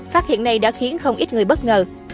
phát hiện này đã khiến không ít người bất ngờ